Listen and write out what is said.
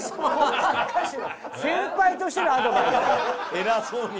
偉そうに。